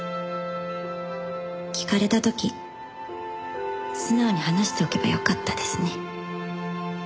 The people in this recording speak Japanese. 「聞かれた時素直に話しておけばよかったですね」